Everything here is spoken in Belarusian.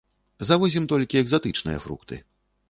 Завозім толькі экзатычныя фрукты.